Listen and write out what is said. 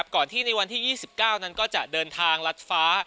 ก่อนที่ในวันที่๒๙นั้นก็จะเดินทางลัดฟ้า